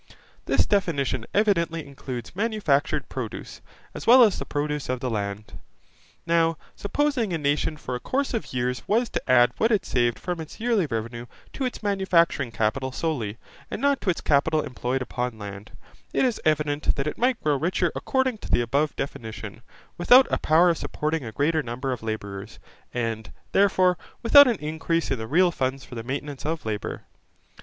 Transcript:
This definition evidently includes manufactured produce, as well as the produce of the land. Now supposing a nation for a course of years was to add what it saved from its yearly revenue to its manufacturing capital solely, and not to its capital employed upon land, it is evident that it might grow richer according to the above definition, without a power of supporting a greater number of labourers, and, therefore, without an increase in the real funds for the maintenance of labour.